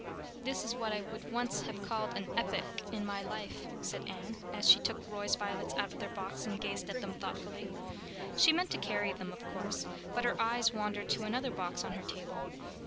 "This is what I would once have called an epoch in my life," said Anne, as she took Roy's violets out of their box and gazed at them thoughtfully. She meant to carry them, of course, but her eyes wandered to another box on her table.